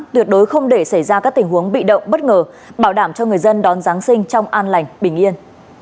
tuyệt đối không để xảy ra các tình huống bị động bất ngờ bảo đảm cho người dân đón giáng sinh trong an lành bình yên